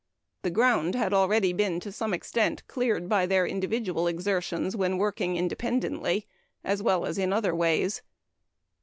The ground had already been to some extent cleared by their individual exertions when working independently, as well as in other ways.